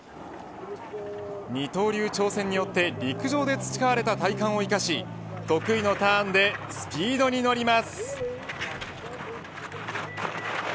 二刀流挑戦によって陸上で培われた体幹を生かし得意のターンでスピードに乗ります。